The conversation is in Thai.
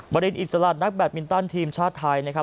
รินอิสระนักแบตมินตันทีมชาติไทยนะครับ